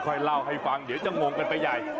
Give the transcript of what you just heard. เล่าให้ฟังเดี๋ยวจะงงกันไปใหญ่